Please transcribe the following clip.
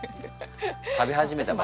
食べ始めたばかり。